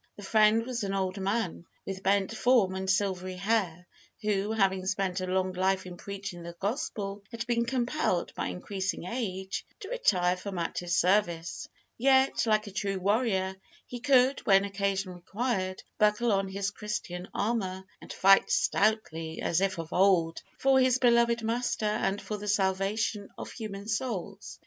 The friend was an old man, with bent form and silvery hair, who, having spent a long life in preaching the gospel, had been compelled, by increasing age, to retire from active service. Yet, like a true warrior, he could, when occasion required, buckle on his Christian armour, and fight stoutly, as of old, for his beloved Master and for the salvation of human souls.